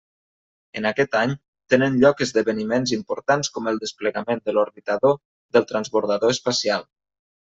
En aquest any, tenen lloc esdeveniments importants com el desplegament de l'orbitador del transbordador espacial.